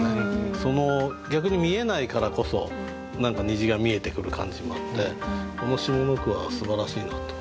その逆に見えないからこそ何か虹が見えてくる感じもあってこの下の句はすばらしいなと。